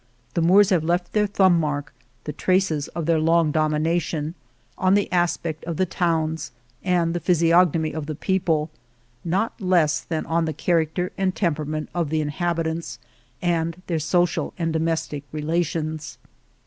The Moors have left their thumb mark, the traces of their long domination, on the aspect of the towns and the physiog nomy of the people, not less than on the character and temperament of the inhabi tants and their social and domestic relations.